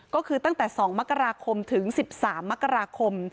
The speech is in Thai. ก็คือตั้งแต่๒มกราคมถึง๑๓มกราคม